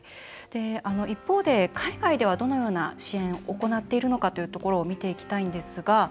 一方で、海外ではどのような支援を行っているのかというところを見ていきたいんですが。